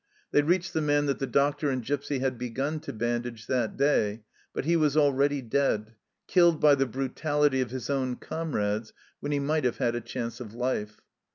They reached the man that the doctor and Gipsy had begun to bandage that day, but he was already dead, killed by the brutality of his own comrades when he might have had a chance of life.